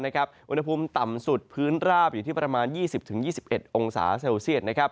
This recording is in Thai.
อุณหภูมิต่ำสุดพื้นราบอยู่ที่ประมาณ๒๐๒๑องศาเซลเซียต